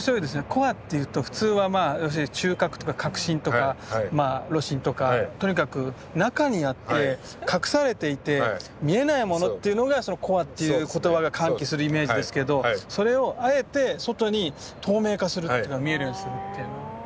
コアっていうと普通は中核とか核心とか炉心とかとにかく中にあって隠されていて見えないものっていうのがコアっていう言葉が喚起するイメージですけどそれをあえて外に透明化する見えるようにするっていうのは。